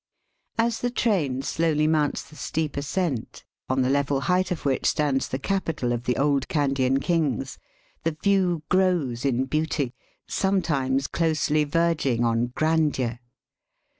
As the train slowly mounts the steep ascent, on the level height of which stands the capital of the old Kandian kings, the view grows in beauty, sometimes closely verging on grandeur.